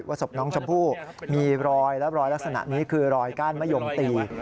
ศพน้องชมพู่มีรอยและรอยลักษณะนี้คือรอยก้านมะยมตี